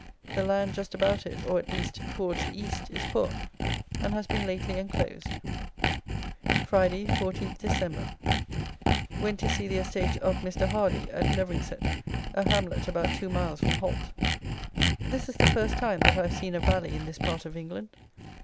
The land just about it, or, at least, towards the east, is poor, and has been lately enclosed. Friday, 14th Dec. Went to see the estate of Mr. Hardy at Leveringsett, a hamlet about two miles from Holt. This is the first time that I have seen a valley in this part of England.